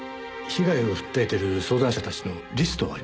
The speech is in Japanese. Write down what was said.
被害を訴えている相談者たちのリストはありますか？